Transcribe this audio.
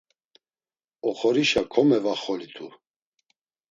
Oxorişa komevaxolitu.